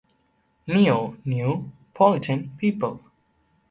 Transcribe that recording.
"Neo"-new, "politan"- people.